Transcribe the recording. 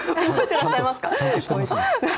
ちゃんとしてますね。